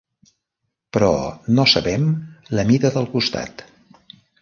Però no sabem la mida del costat.